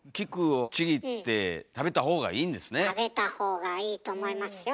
食べたほうがいいと思いますよ。